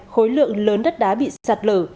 khối lượng lớn đất đá bị sạt lở